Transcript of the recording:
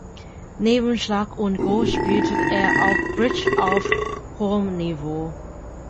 Neben Schach und Go spielte er auch Bridge auf hohem Niveau.